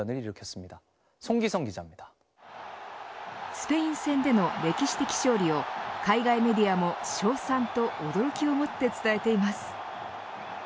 スペイン戦での歴史的勝利を海外メディアも称賛と驚きをもって伝えています。